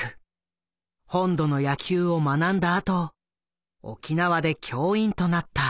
本土の野球を学んだあと沖縄で教員となった。